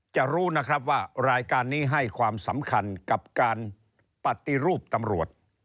จะรู้นะครับว่ารายการนี้ให้ความสำคัญกับการปฏิรูปตำรวจ